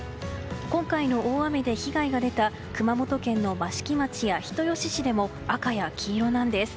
今回の大雨で被害が出た熊本県の益城町や人吉市でも赤や黄色なんです。